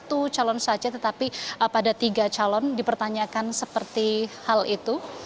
satu calon saja tetapi pada tiga calon dipertanyakan seperti hal itu